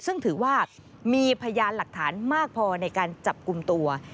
ซึ่งถือว่ามีพยานหลักฐานมากพอในการจับกลุ่มตัว